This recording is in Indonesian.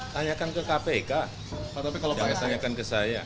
tanyakan ke kpk jangan tanyakan ke saya